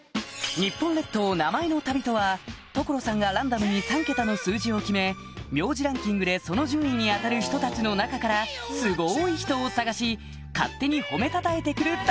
日本列島名前の旅とは所さんがランダムに３ケタの数字を決め名字ランキングでその順位に当たる人たちの中からスゴい人を探し勝手に誉めたたえて来る旅